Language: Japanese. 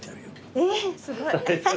えっすごい怖い。